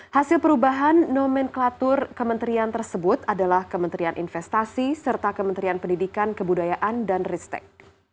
hasil perubahan nomenklatur kementerian tersebut adalah kementerian investasi serta kementerian pendidikan kebudayaan dan ristek